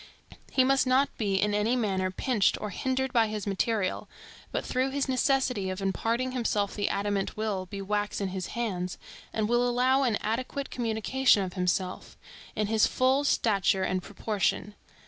He must not be in any manner pinched or hindered by his material, but through his necessity of imparting himself the adamant will be wax in his hands, and will allow an adequate communication of himself, in his full stature and proportion.